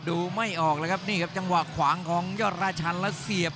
ไม่ออกแล้วครับนี่ครับจังหวะขวางของยอดราชันแล้วเสียบ